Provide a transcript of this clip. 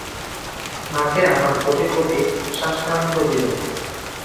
মাকে আমার কোটি কোটি সাষ্টাঙ্গ দিবে।